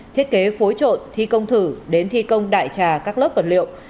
thiết kế phối trộn thi công thử đến thi công đại trà các lớp vật liệu